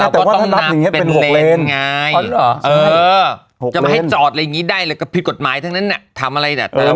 ทำอะไรละ๑๒๓๔๕๖หรือ